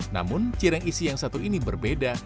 namun cireng isi yang satu ini berbeda